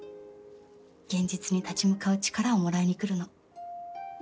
現実に立ち向かう力をもらいに来るの。